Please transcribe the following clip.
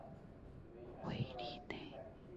韦利内。